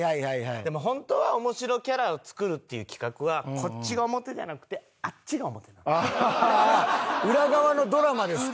でも本当は面白キャラを作るっていう企画はこっちが表じゃなくて裏側のドラマですか。